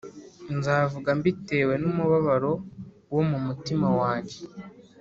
nzavuga mbitewe n’umubabaro wo mu mutima wanjye